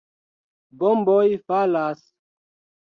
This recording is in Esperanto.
Bomboj falas.